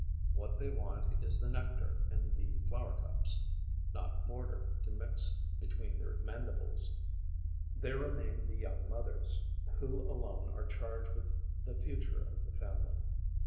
What they want is the nectar in the flower cups, not mortar to mix between their mandibles. There remain the young mothers, who alone are charged with the future of the family.